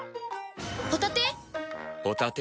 ホタテ⁉